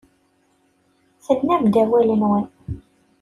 Tennam-d awal-nwen.